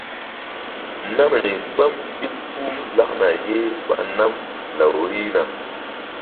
Namri gbam ɓil puh lakna ye ɓa nam law rihna.